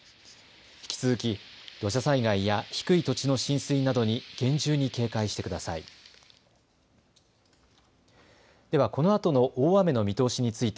引き続き土砂災害や低い土地の浸水などに厳重に警戒してください。